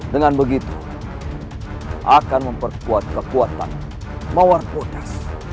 dengan begitu akan memperkuat kekuatan maharbordas